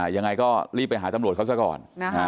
ยังไงก็รีบไปหาตำรวจเขาซะก่อน